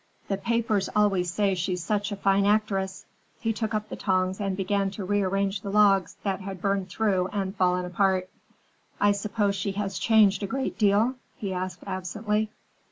The papers always say she's such a fine actress." He took up the tongs and began to rearrange the logs that had burned through and fallen apart. "I suppose she has changed a great deal?" he asked absently.